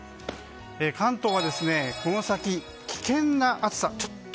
関東はこの先、危険な暑さ。